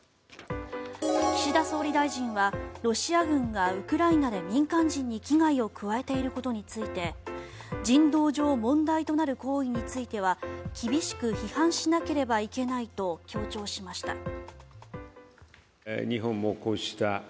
岸田総理大臣はロシア軍がウクライナで民間人に危害を加えていることについて人道上問題となる行為については厳しく批判しなければいけないと強調しました。